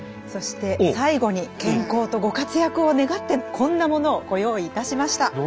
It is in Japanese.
そして最後に健康とご活躍を願ってこんなものをご用意いたしました。